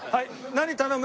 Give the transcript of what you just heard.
何頼む？